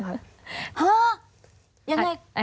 ฮะยังไง